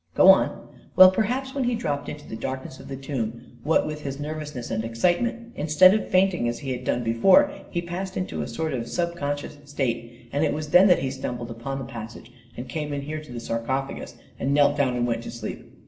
Go on." " Well, perhaps when he dropped into the dark ness of the tomb, what with his nervousness and ex citement, instead of fainting, as he had done before, he passed into a sort of sub conscious state, and it was then that he stumbled upon the passage and came in here to the sarcophagus, and knelt down and went to sleep."